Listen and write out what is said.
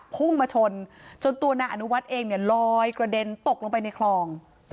พุ่งมาชนจนตัวนายอนุวัฒน์เองเนี่ยลอยกระเด็นตกลงไปในคลอง